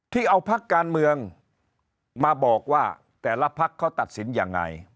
ที่เอาพักการเมืองมาบอกว่าแต่ละพักเขาตัดสินยังไง